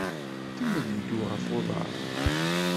Kemmel ddu ɣef uḍaṛ.